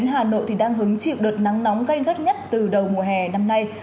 hà nội đang hứng chịu đợt nắng nóng gây gắt nhất từ đầu mùa hè năm nay